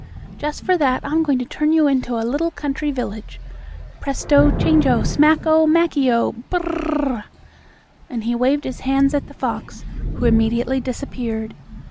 Just for that I'm going to turn you into a little country village! Presto, chango! Smacko, Mackeo! Bur r r r!" and he waved his hands at the fox, who immediately disappeared.